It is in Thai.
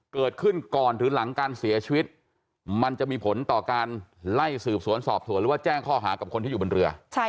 เกิดขึ้นก่อนหรือหลังการเสียชีวิตมันจะมีผลต่อการไล่สืบสวนสอบสวนหรือว่าแจ้งข้อหากับคนที่อยู่บนเรือ